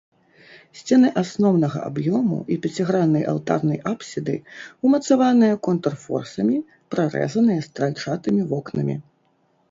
Сцены асноўнага аб'ёму і пяціграннай алтарнай апсіды ўмацаваныя контрфорсамі, прарэзаныя стральчатымі вокнамі.